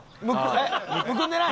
えっむくんでない？